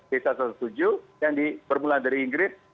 b satu ratus tujuh belas yang bermula dari inggris